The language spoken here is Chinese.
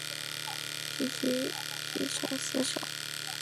徐揖据城死守。